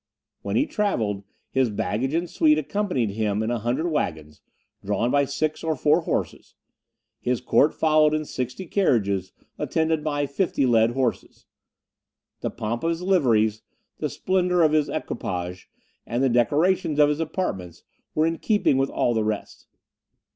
When he travelled, his baggage and suite accompanied him in a hundred wagons, drawn by six or four horses; his court followed in sixty carriages, attended by fifty led horses. The pomp of his liveries, the splendour of his equipages, and the decorations of his apartments, were in keeping with all the rest.